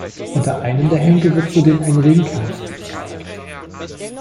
Unter einem der Henkel wird zudem ein Ringkampf gezeigt.